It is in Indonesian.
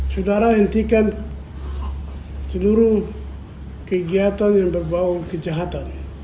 saudara hentikan seluruh kegiatan yang berbau kejahatan